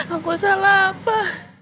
aku salah apa